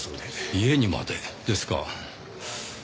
家にまでですか。